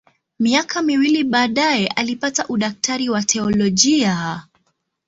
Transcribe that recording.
Miaka miwili baadaye alipata udaktari wa teolojia.